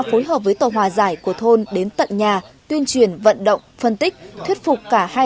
phối hợp với tổ hòa giải của thôn đến tận nhà tuyên truyền vận động phân tích thuyết phục cả